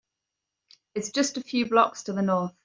It’s just a few blocks to the North.